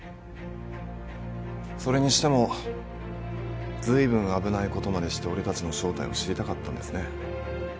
それにしてもずいぶん危ないことまでして俺たちの正体を知りたかったんですね。